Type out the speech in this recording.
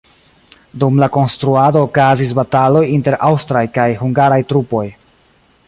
Dum la konstruado okazis bataloj inter aŭstraj kaj hungaraj trupoj.